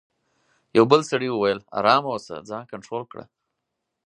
یوه بل سړي وویل: آرام اوسه، ځان کنټرول کړه.